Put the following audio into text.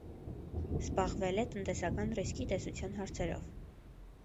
Զբաղվել է տնտեսական ռիսկի տեսության հարցերով։